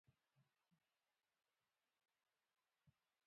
زمرد د افغانستان د طبیعت برخه ده.